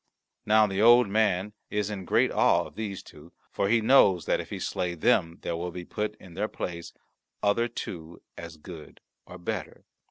Now the Old Man is in great awe of these two, for he knows that if he slay them there will be put in their place other two as good or better.